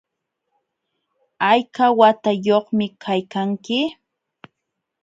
¿Hayka watayuqmi kaykanki?